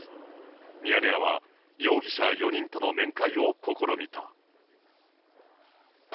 ミヤネ屋は容疑者４人との面会を試みた。